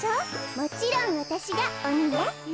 もちろんわたしがおにね。